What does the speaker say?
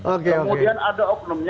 oke oke kemudian ada oknumnya